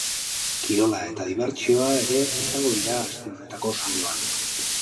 Kirola eta dibertsioa ere izango dira aste honetako saioan.